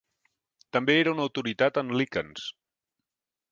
També era una autoritat en líquens.